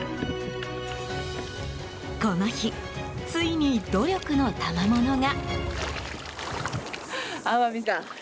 この日ついに、努力のたまものが。